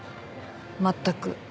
全く。